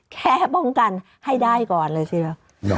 แค่ป้องกันให้ได้ก่อนเลยทีเดียว